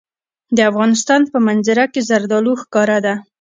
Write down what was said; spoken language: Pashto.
د افغانستان په منظره کې زردالو ښکاره ده.